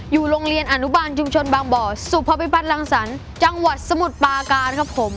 อยู่โรงเรียนอนุบาลชุมชนบางบ่อสุภพิพัฒน์รังสรรค์จังหวัดสมุทรปาการครับผม